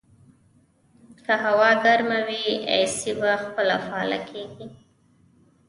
که هوا ګرمه وي، اې سي په خپله فعاله کېږي.